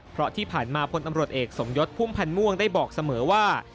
เพราะที่ผ่านมาพลตำรวจเอกสมยศพุ่มพันธ์ม่วงได้บอกเสมอว่า